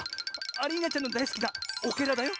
アリーナちゃんのだいすきなオケラだよ。